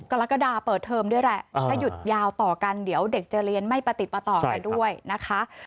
ออกกันด้วยนะคะ